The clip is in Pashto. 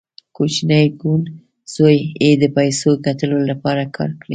کوچني کوڼ زوی یې د پیسو ګټلو لپاره کار کړی